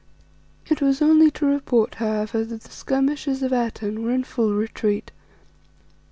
It was only to report, however, that the skirmishers of Atene were in full retreat.